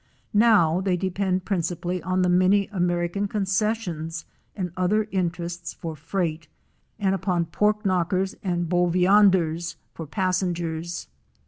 Now they depend principally on the many American concessions and other interests for freight, and upon pork knockers and bovianders for passengers.